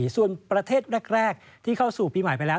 ส่วนประเทศแรกที่เข้าสู่ปีใหม่ไปแล้ว